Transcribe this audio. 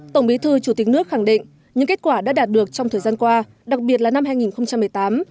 tổng bí thư chủ tịch nước khẳng định những kết quả đã đạt được trong thời gian qua đặc biệt là năm hai nghìn một mươi tám